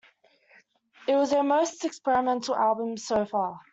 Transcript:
It was their most experimental album so far.